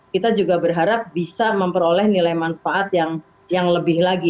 kita juga berharap bisa memperoleh nilai manfaat yang lebih lagi